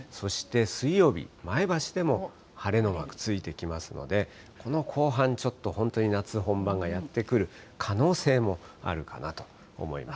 そして水曜日、前橋でも晴れのマークついてきますので、この後半、ちょっと本当に夏本番がやって来る可能性もあるかなと思います。